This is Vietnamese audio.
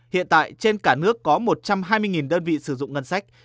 hiện tại trên cả nước có một trăm hai mươi đơn vị sử dụng ngân sách